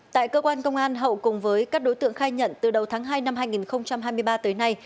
tại cơ quan công an hậu cùng với các đối tượng khai nhận từ đầu tháng hai năm hai nghìn hai mươi ba tới nay